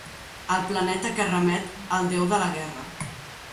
El planeta que remet al déu de la guerra.